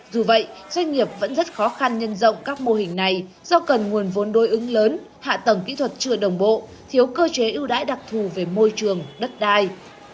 dù vậy doanh nghiệp vẫn rất khó khăn nhân rộng các mô hình này do cần nguồn vốn đối ứng lớn hạ tầng kỹ thuật chưa đồng bộ thiếu cơ chế ưu đãi đặc thù về môi trường đất đai